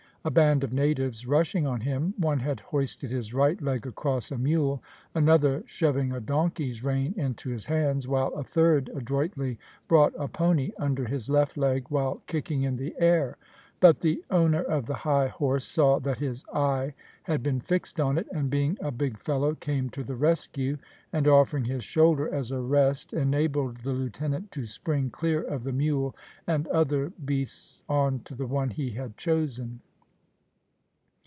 A band of natives rushing on him, one had hoisted his right leg across a mule, another shoving a donkey's rein into his hands, while a third adroitly brought a pony under his left leg, while kicking in the air; but the owner of the high horse saw that his eye had been fixed on it, and being a big fellow came to the rescue, and offering his shoulder as a rest, enabled the lieutenant to spring clear of the mule and other beasts on to the one he had chosen.